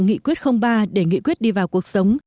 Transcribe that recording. nghị quyết ba để nghị quyết đi vào cuộc sống